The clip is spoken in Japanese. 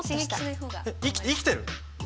い生きてる？